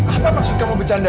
apa maksud kamu bercanda